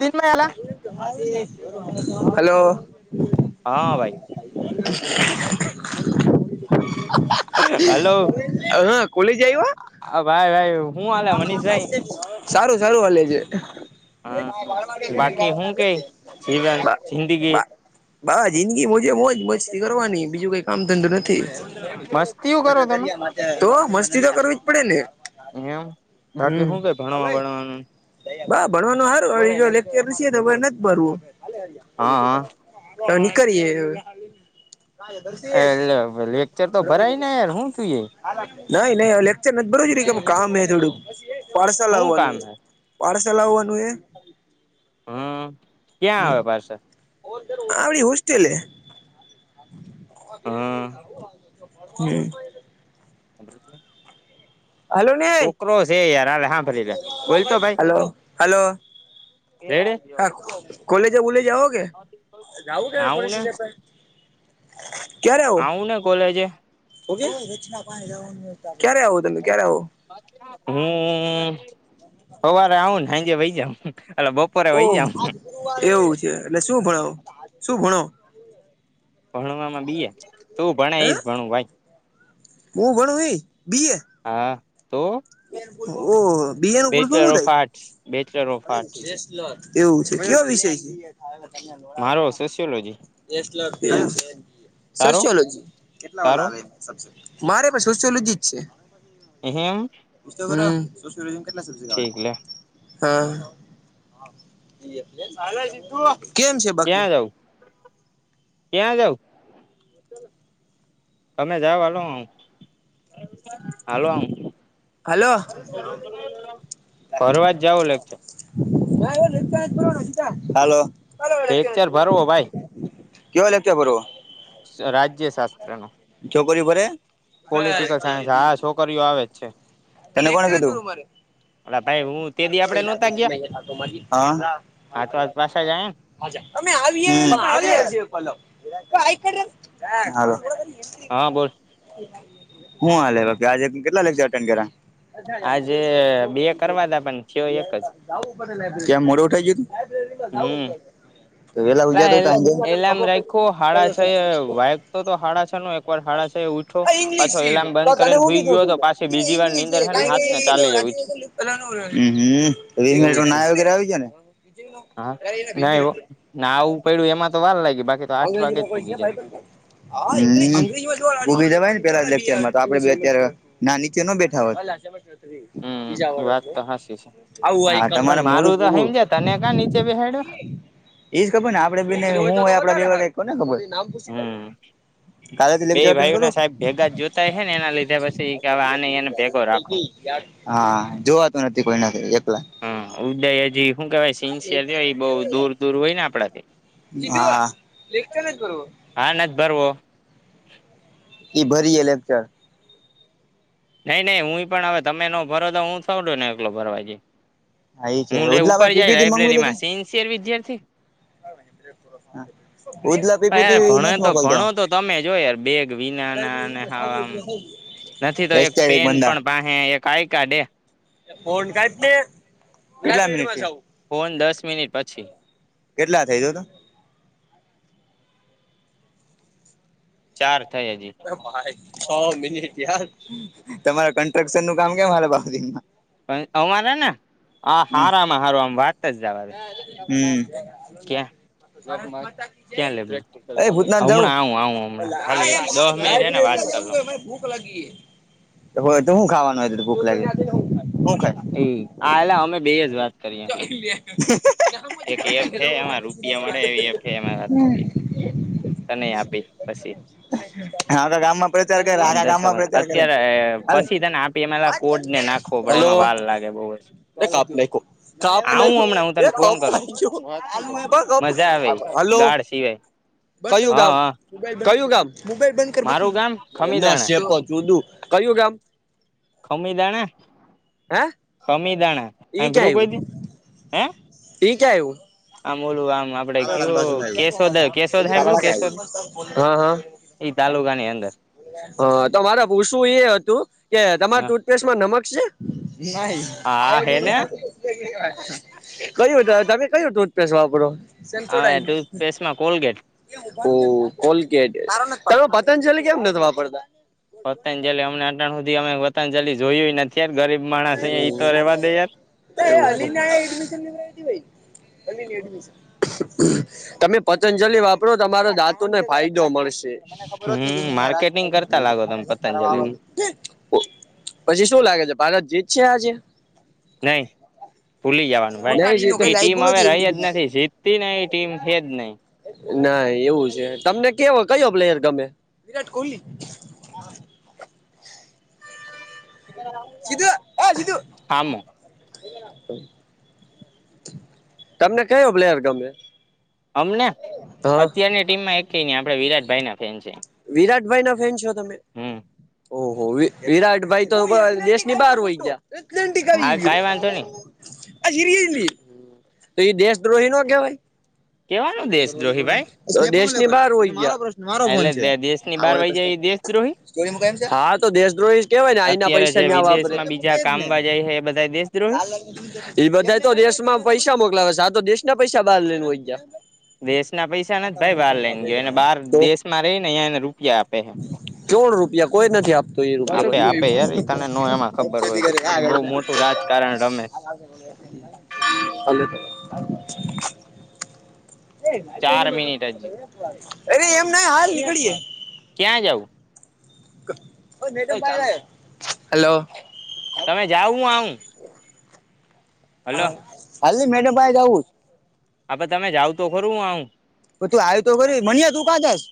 હા હેલો [unintelligible] ભાઈ હેલો હા કોલેજ ભાઈ આવ્યા ભાઈ હું હાલે મનીષભાઈ સારું સારું હલે છે એ ક હા ગળમાં ગ છે ને ગ બાકી હું કે જીવન ના જિંદગી [unintelligible] બસ જિંદગી મોજે મોજ મસ્તી કરવાની બીજું કઈ કામ ધંધો નથી. મસ્તીઓ કરો તમે તો મસ્તી તો કરવી જ પડે ને એમ બાકી હમ શું કઈ ભણવા ભણવાનું ભ ભણવાનું સારું હવે જો લેક્ચર છે તો અમારે નથી ભરવું હા હા હ નીકળયે ક દરસ એટલે લેક્ચર તો ઘડવાઈ ગ ભરાય ને યાર હું થયું એ [unintelligible] નઈ નહી લેક્ચર નથી ભરો કે કામ હે થોડું પાર્સલ હું આવવાનું કામ હે પાર્સલ આવવાનું હે હમ ક્યાં આવે પાર્સલ આવડી હોસ્ટેલે હા. હમ. હેલો ન છોકરો છે યાર હાલે હાંભળી લે બોલતો ભાઈ હેલો હેલો રેડે હા કોલેજ બોલેજે જઓ કે જવું કે કોલે આવું ને આવું ને કોલેજે ક્યારે આવો તમે ક્યારે આવો હમ સવારે આવું ને આજે વય જાવ બપોરે વહી ઓહ જાવ એવું છે. એટલે શું ભણો શું ભણો? ભણવામાં બીએ. તું ભણ હે એજ ભણું ભાઈ. હું ભણું એ બી એ હા. તો? ઓહ બીયા નું પુલું શું બેચલર ઓફ થાય? આર્ટસ બેચલર ઓફ આર્ટસ લો એવું છે. કેયો વિષય છે? મારો સોશિયોલોજી [unintelligible] તારો સોશિયોલોજી કેટલા તારો લાવે આવે મારે પણ સોશિયોલોજી જ છે. એમ. કેટલા સબ્જેકટ આવે? ઠીક લે હા. કેમ છે બાકી ક્યાં જાઉ? ક્યાં જાઉ? [unintelligible] તમે જાવ હાલો હું. હેલો. ફરવા જાવું લગ. લેક્ચર ભરવો [unintelligible] કયો લેક્ચર ભરવો? રાજ્ય શાસ્ત્રનું. ચોકરીયુ ભણે? Political science. હા છોકરીઓ આવે જ છે. તને કોણે કીધું? અલા ભાઈ હું તે દી આપડે નહોતા ગયા હા તો આજ પાછા જ આયા ને [inaudible] [inaudible] હા બોલ. હું હાલે બાકી [unintelligible] આજે કેટલા લેક્ચર કર્યા? આજે બે કરવા તા પણ થયો એક જ ક્યાં મોડું ઉઠાઈ ગયું હમ તુ વેલા [unintelligible] ઉજ્યા પેલા [inaudible] એલાર્મ ખબર રાખ્યો હાડા છ એ વાગતો તો હાડા છ નો એક વાર હાડા છ એ ઉઠો પ પાછો ઈંગ્લિશ એલાર્મ તો બંધ તને કરીને હું હુઈ કીધું ગયો હતો પાછી હતું બીજી વાર ઇંગ્લિશ ીસ નીંદર હે ને હાથ ને ચાલી એવી છે મિનિટ એવું છે ના વગેરે આવી જાય ને હા [inaudible] એને [unintelligible] ના ભેગી એવો ના આવું પડ્યું એમાં તો વાર લાગી બાકી તો આઠ અંગ્રેજી વાગે નો જ કોઈ છે પૂગી જાય ભાઈબંધ ઉભીવાય [inaudible] ને પેલા લેક્ચરમાં તો આપડે અત્યારે બે ના નીચે ન બેઠા [inaudible] હમ વાત તો હાચી છે પણ તમારા મોડું મારું તો પૂરું સમજ્યા તને ક્યા નીચે બેસાડ્યો એજ ખબર ને આપડે બને હું હોય આપડે કોણ ને ખબર હમ કાલેથી બે લેક્ચર અટેન્ડ ભાઈને કરું સાહેબ ભેગા જૂત ને એના લીધે પછી કે હવે એને એમ [unintelligible] હા જોવાતું નથી પણ ના એકલા હા ઉદય હજી હું કેવાય સિન્સિયર થયો એ બહુ દૂર દૂર હોય ને આપડા થી લેખતાને જ બરોબર [inaudible] હા નથ ભરવો. ઈ ભરીએે લેક્ચર. નહીં નહીં હું પણ હવે તમે નો ભરો તો હું થોડો ને એકલો ભરવા જઈ. હા એ છે હું લે ઉપર ઉદલાભાઈ જાય પીપીટી મંગવી લાઈબ્રેરી લે માં સિન્સિયર વિદ્યાર્થી ઉદલા યાર પીપીટી ભણે નથી તો મોકલતો ભણો તો તમે જોય યાર બેગ વિના ના અને આવુ હોય નથી તો એક પેન પણ પાસે એક આઈ કાર્ડ હે ફન કઈ [inaudible] ફોન દસ મિનિટ પછી. કેટલા થાય જો તો. ચાર થઈ હજી. એ ભાઈ છ મિનિટ યાર. તમારે કન્સ્ટ્રક્શનનું કામ કેમ હાલે બાકીમાં? અ અમારે ને? આ હમ હારામા હારું આમ વાત જ જાવા દો. હમ [inaudible] ક્યાં? લેબમાં. ક્યાં લેબમાં? પ્રેક્ટિકલ એ કરું. ભૂતનાથ જવું હમણાં આવું આવું હમણાં ખાલી એક દહ મિનિટ હે ને વાત કર લઉ. ભૂખ લાગી. હોય તો હું ખાવાનું હોય ભૂખ લાગી હુ ખાય? એ આયલા અમે બેજ વાત. કરીએ જોઈ લે. [inaudible] એક એપ હે એમાં રૂપિયા મળે એવી એપ હે એમાં વાત કરીએ. તને એ આપીશ પસી આખા ગામમાં પ્રચાર કરે [unintelligible] આખા પંદર ગામમાં પ્રચાર કરે અત્યારે હાલે પછી તને આપ આપી એલા એમાં કોડ ને નાખવો પડે હલો એમાં વાર લાગે બહુ જ. [inaudible] [inaudible] આવું હમણાં હું તને ફોન કરું મજા આવે હલો ગાઢ સિવાય કયું હા ગામ? હા કયું ગામ? મોબાઈલ બધં કર મારું બાકી ગામ ના ખમીદાણા સે તો ચોદું. ક્યું ગામ? ખમી જાને. હે? ખમીદાણા ઈ હાંભડયું ક્યાં આવ્યું કોઈ દી? હે ઈ ક્યાં આવ્યું આમ ઓલું આમ આપ આપણે કયું કેશોદ કેશોદ હાંભડયું કેશોદ ઈ તાલુકાની અંદર. હહ તો મારે પુસવુ એ હતું કે તમાર [inaudible] હા ટૂથ પેસ્ટમાં નમક સે? નહીં હા આયોડીન ને હે પેલું. [inaudible] કયું તમે કયું ટુથપેસ્ટ વાપરો? હવે સેનસોડાઈન. ટૂથપેસ્ટમાં કોલગેટ ઓહ! કોલગેટ તમે પતંજલી કેમ નથી વાપરતા? પતંજલિ અમને અતાર હુધી અમે પતંજલિ જોયું એ નથી યાર ગરીબ માણ સઈએ ઈતો રહેવા દે યાર. [inaudible] તમે પતંજલિ વાપરો તમારા દાતુને ફાયદો મળશે. મને ખબર હોત ને ઈ હમ માર્કેટિંગ કરતા લાગો તમે ઈયા પતંજલિ નું [inaudible] પછી શું લાગે છે ભારત જીતશે આજે? નહીં. ભૂલી જાવાનું ભાઈ. નહી એ ટીમ હવે રહી જ જીતે નથી જીતતી ને એ ટીમ હેજ નહી. ના એવું છે. તમને કેવો કયો પ્લેયર ગમે? વિરાટ કોહલી. સીધું એ સીધું. હામો [inaudible] તમને કયો પ્લેયર ગમે? અમને? હા અત્યારની ટીમમાં એકે નહીં આપડે વિરાટ ભાઈને વિરાટભાઈના ફેન છો તમે? હમ ઓહો! વી વિરાટભાઈ તો દેશની બહાર વઈ ગયા. એથેલેન્ટિક આવી હા કઈ વાંધો ગયું. નહી એ રીયલી. તો ઈ દેશદ્રોહી નો કેવાય? કેવાનો દેશદ્રોહી ભાઈ? [inaudible] દેશની બાર વઈ ગયા. ઈ મારો પ્રશ્ન મારો ફોન એટલે છે. દેશની બહાર વહી જાય એ દેશદ્રોહી [inaudible] [inaudible] હા તો દેશદ્રોહી જ કેવાય ને આહીંના અત્યારે પૈસા જે ન્યા વાપરે. વિદેશમાં બીજા કામવા જાય છે એ બધા દેશદ્રોહી [inaudible] એ બધા તો દેશમાં પૈસા મોકલાવે છે આ તો દેશ ના પૈસા બહાર લેયને વય ગયા. દેશના પૈસા નથી જ ભાઈ બહાર લઈને ગયો એને બહાર તો દેશમાં રહી ને એ એને રૂપિયા આપે. કોણ રૂપિયા કોઈ નથી આપતો એ આપે રૂપિયા આપે યાર એ [inaudible] શું રાજકારણ રમે સ. [inaudible] [inaudible] અરે ચાર મિનિટ હજી એમ નહીં હાલ નીકળીએ. ક્યાં જાઉ. હલો. તમે જાવ હું આવું. હલો હાલની મેડમ પાહે જઉુંછ. હા પણ તમે જાવ તો ખરું હું આવું. પણ તું આયુ તો ખરી મન્યા તું કા જાયસ.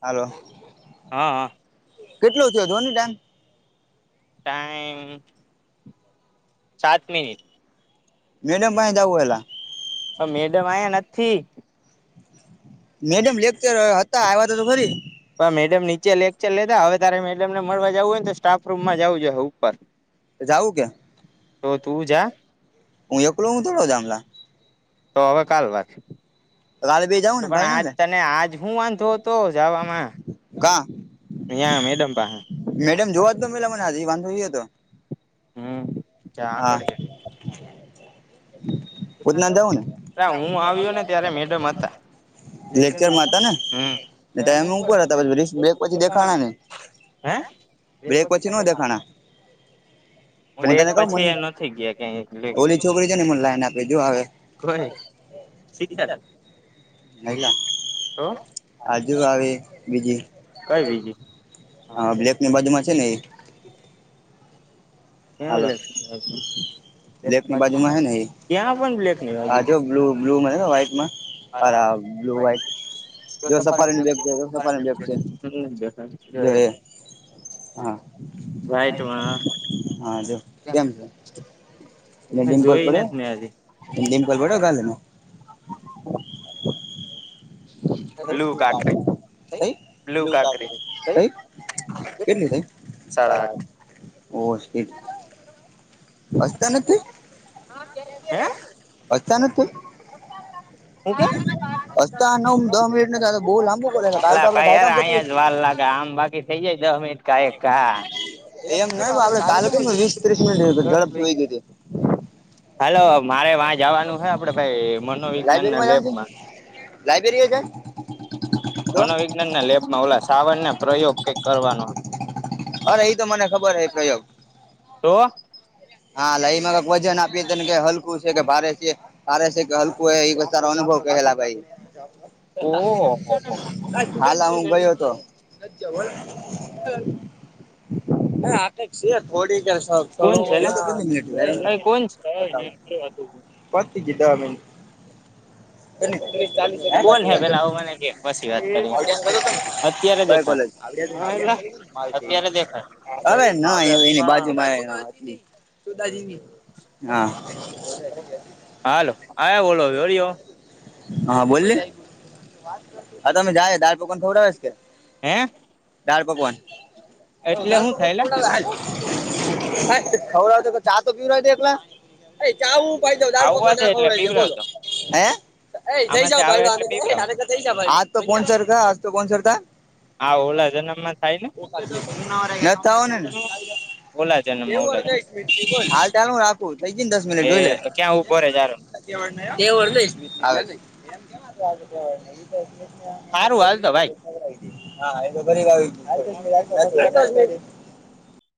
હાલો. હા હા. કેટલુ થયું જોની ત્યાં. ટાઈમ. સાત મિનિટ. મેડમ પાહે જાઉું એલા. અ મેડમ આયા નથી. મેડમ લેક્ચર હતા આવ્યા હતા તો ખરી. પણ મેડમ નીચે લેક્ચર લેધા હવે તારે મેડમ ને મળવા જવું હોયને તો સ્ટાફ રૂમમાં જવું જોઈ ઉપર. જાઉું ક્યાં. તો તું જા હું એકલો હું થોડો જામલા તો હવે કાલ વાત. [unintelligible] બી જાવ. તો પણ આજ તને આજ હુ વાંધો હતો જાવામાં. કા અહીંયા મેડમ પાહે. મેડમ જોવા જ દો પેલા મને હજી વાંધો ઈ હતો. હમ. હા. આગળ ઉધના જઉું ને. હું આવ્યો ને ત્યારે મેડમ હતા [unintelligible] લેક્ચરમાં હતા હમ ને તેમ ઉપર હતા પછ બ્રેક પછી દેખાણા નઈ. હે બ્રેક પછી ન દેખાણા. હું બ્રેક તને કઉ મને પછી એ નથી ગયા ક્યાય લેક્ચર. હુ લઈને આપીદયુ હવે. કોઈ શીતલ હાઈલા તો આજુ આવે બીજી. કઈ બીજી હા બ્લેક ની બાધુમાં છે ને એ. ક્યા હાલો લે હજુ. બ્લેક ની બાજુમાં હે ને એ પણ બ્લેક ની આ બાજુ જો બ્લુ બ્લુ માં હેને વ્હાઈટમાં. અરા બ્લુ વાઇટ. જો સફારીની બેગ છે જો સફારીની બેગ છે જો એ. હા. વ્હાઈટમાં હા જો કેમ છે એ ડિમ્પલ જોઈ પડ્યો. નથી મેં હજી ડિમ્પલ પડ્યો ગાલમાં. બ્લુ કાકરી બ્લુ કાકરી [inaudible] કેટલી થઈ. સાડા આઠ અચાનક થઈ હે અચાનક થઈ. હુથ્યુ. હસતા નવ દહ મિનિટ નથી આ તો બહુ લાંબુ કરે કાલ તો અલા આપડે ભાઈ યાર કામ પતી અહીંયા જ વાર લાગે આમ બાકી થઇ જાય દહ મિનટ. કઈ ક [unintelligible] એમ નહ આપે તાલુકે વીસ ત્રીસ મિનિટ ઝડપથી હોય ગઈ હતી. હાલ મારે વાં જવાનું છે આપડે ભાઈ મનોવિજ્ઞાન ના લેબમાં. લાઈબ્રેરીએ જાયીએ, તો ના ના લેબમાં ઓલા સાવર ના પ્રયોગ કઈક કરવાનો. અરે ઈ તો મને ખબર હે પ્રયોગ. તો. હા લઈમાં ક વજન આપીએ ત ને કે હલકું છે કે ભારે છે ભારે છે કે હલકું એ ઈ તારો અનુભવ કહેલા ભાઈ ઓહો હાલ હું ગયો હતો. [inaudible] થોડી કોણ છે [unintelligible] લા મિટ અ કોણ લ બ પતિ જ દ મિ તસ ચાલીસ કોણ હે પેલા આવું મને કે પછી વાત કરી અત્યારે [unintelligible] કઈ દેખાય કોલેજ? આવડ અત્યારે દેખાય હવે ના બાજુમાં [unintelligible] શતાજી હા. હાલો હા [unintelligible] બોલો હળ્યો. હા બોલલી, હા તમે જાય દાળ પકવન ખવડાવ કે? હે? દાળ પકવાન, એટલે દળ હું થાયલા પક હવતો ચા તો પીવર એકલા. અરે ચાું પજ દાળ આવવા પકવાન દે એટલે દખવડા છે બોલો, પીવરાવતો હ? એ થઈ જાવ આમાંથી આવે ભાઈડ એટલે પીવરાવું થઈ જ આજ તો કોણ સરખા આજ તો કોણ સરતા આ ઓલા જન્મમાં થાય ને [unintelligible] તા હો નેને. ઓલા જન્મમાં એવું ઓલા જન્મ હાલ ચાલ હ રાખું થઈ જય ને દસ મિનિટ એ જોઈ લે. ક્યાં ઉભો રે જારો કે [unintelligible] સારું હાલ તો ભાઈ. હા એ બરી [unintelligible]